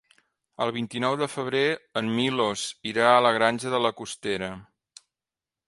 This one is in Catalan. El vint-i-nou de febrer en Milos irà a la Granja de la Costera.